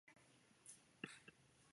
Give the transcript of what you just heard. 简单来说